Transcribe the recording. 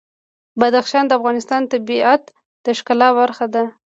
بدخشان د افغانستان د طبیعت د ښکلا برخه ده.